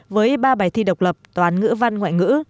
với ba bài thi độc lập toán ngữ văn ngoại ngữ